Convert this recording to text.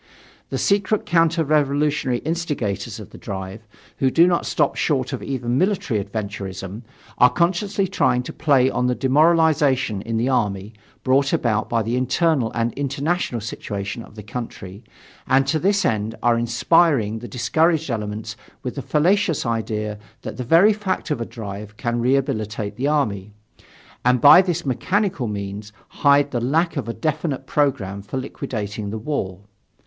"The secret counter revolutionary instigators of the drive, who do not stop short even of military adventurism, are consciously trying to play on the demoralization in the army, brought about by the internal and international situation of the country, and to this end are inspiring the discouraged elements with the fallacious idea that the very fact of a drive can rehabilitate the army and by this mechanical means hide the lack of a definite program for liquidating the war.